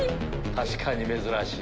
確かに珍しい。